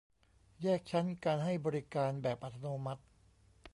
แยกชั้นการให้บริการแบบอัตโนมัติ